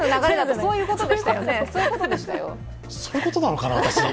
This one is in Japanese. そういうことなのか、私。